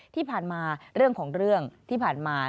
ที่ผ่านมาเรื่องของเรื่องที่ผ่านมา